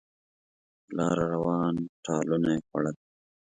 په لاره روان ټالونه یې خوړل